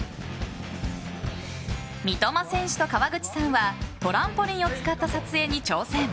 三笘選手と川口さんはトランポリンを使った撮影に挑戦。